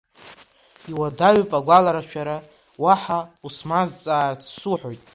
Иуадаҩуп агәаларшәара, уаҳа усмазҵаарц суҳәоит.